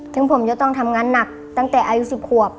ถึงผมจะต้องทำงานหนักตั้งแต่อายุ๑๐ขวบ